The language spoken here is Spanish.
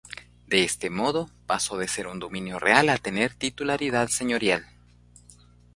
De este modo, pasó de ser un dominio real a tener titularidad señorial.